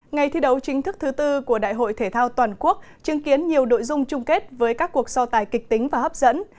ngày thi đấu chính thức thứ tư của đại hội thể thao toàn quốc chứng kiến nhiều nội dung chung kết với các cuộc so tài kịch tính và hấp dẫn